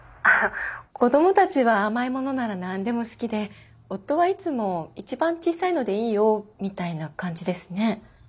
子供たちは甘いものなら何でも好きで夫はいつも「一番小さいのでいいよ」みたいな感じですね。